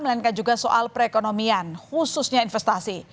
melainkan juga soal perekonomian khususnya investasi